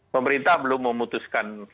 pemerintah belum memutuskan